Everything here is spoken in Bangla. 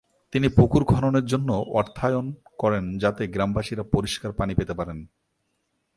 তিনি পুকুর খননের জন্য অর্থায়ন করেন যাতে গ্রামবাসীরা পরিষ্কার পানি পেতে পারেন।